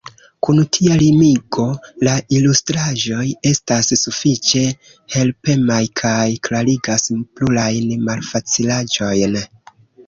Kun tia limigo, la ilustraĵoj estas sufiĉe helpemaj kaj klarigas plurajn malfacilaĵojn.